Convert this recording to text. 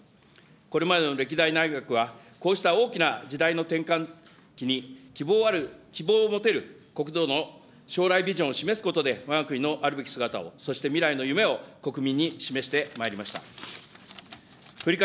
これまでの歴代内閣は、こうした大きな時代の転換期に希望ある、希望を持てる国土の将来ビジョンを示すことでわが国のあるべき姿を、そして、未来の夢を国民に示してまいりました。